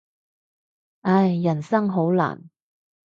唉，人生好難。